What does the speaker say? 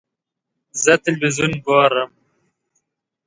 زه تلویزیون ګورم